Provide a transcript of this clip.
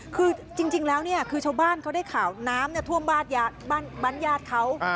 คือจริงแล้วเนี่ยคือชาวบ้านเขาได้ข่าวน้ำท่วมบ้านญาติเขา